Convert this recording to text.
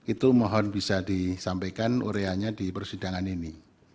itu mohon bisa disampaikan ureanya di persidangan ini